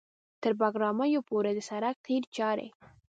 تر بګرامیو پورې د سړک قیر چارې